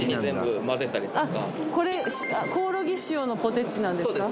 あっこれコオロギ塩のポテチなんですか・